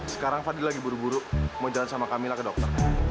sekarang fadil lagi buru buru mau jalan sama camillah ke dokter